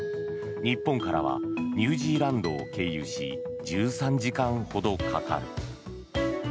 日本からはニュージーランドを経由し１３時間ほどかかる。